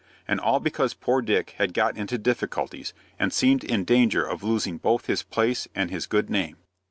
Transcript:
And all because poor Dick had got into difficulties, and seemed in danger of losing both his place and his good name.